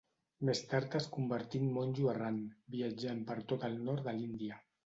Més tard es convertí en monjo errant viatjant per tot el nord de l'Índia.